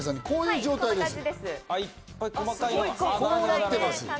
こういう状態です。